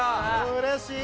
うれしい！